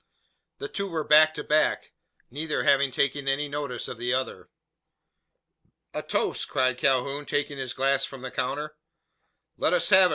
The two were back to back neither having taken any notice of the other. "A toast!" cried Calhoun, taking his glass from the counter. "Let us have it!"